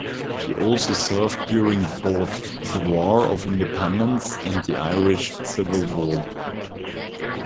She also served during both the War of Independence and the Irish Civil War.